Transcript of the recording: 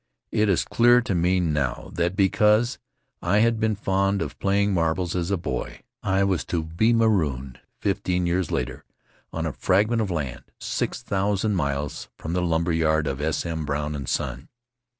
It is clear to me now that, because I had been fond of playing marbles as a boy, I was to be marooned, fifteen years later, on a fragment of land, six thousand miles from the lumber yard of S. M. Brown & Son.